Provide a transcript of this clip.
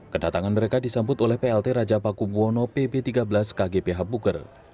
kedatangan mereka disambut oleh plt raja pakubuwono pb xiii kgph buker